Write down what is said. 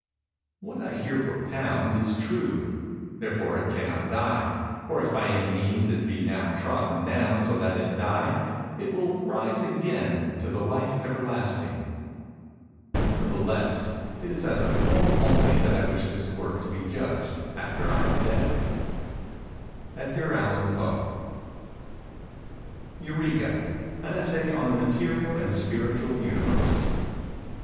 What I here propound is true:—therefore it cannot die:—or if by any means it be now trodden down so that it die, it will "rise again to the Life Everlasting." Nevertheless it is as a Poem only that I wish this work to be judged after I am dead. E. A. P. EUREKA: AN ESSAY ON THE MATERIAL AND SPIRITUAL UNIVERSE.